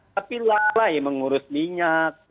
tapi lalai mengurus minyak